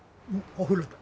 お風呂で。